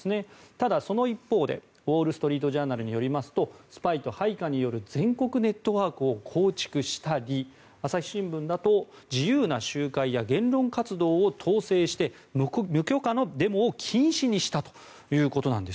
ただ、その一方でウォール・ストリート・ジャーナルによりますとスパイと配下による全国ネットワークを構築したり朝日新聞だと自由な集会や言論活動を統制して無許可のデモを禁止にしたということです。